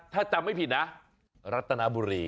ถ้าจำไม่ผิดนะรัตนบุรี